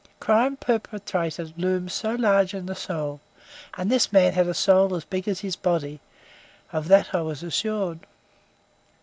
Crime perpetrated looms so large in the soul, and this man had a soul as big as his body; of that I was assured.